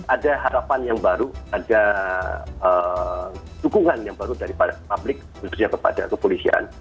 jadi ada harapan yang baru ada dukungan yang baru daripada publik khususnya kepada kepolisian